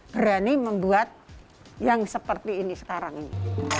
berani membuat yang seperti ini sekarang ini